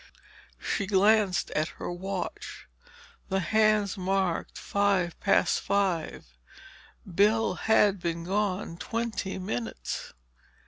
She glanced at her watch. The hands marked five past five. Bill had been gone twenty minutes.